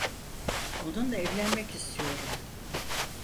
Onunla evlenmek istiyorum.